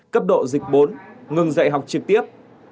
cấp độ dịch bốn ngừng dạy học trực tiếp